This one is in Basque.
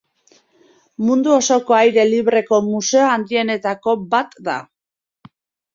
Mundu osoko aire libreko museo handienetako bat da.